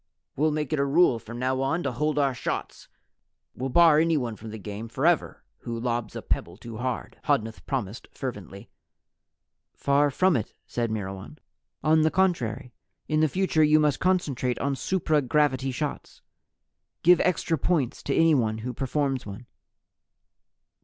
"We'll make it a rule from now on to hold our shots. We'll bar anyone from the game forever who lobs a pebble too hard," Hodnuth promised fervently. "Far from it," said Myrwan. "On the contrary, in the future you must concentrate on supra gravity shots. Give extra points to anyone who performs one."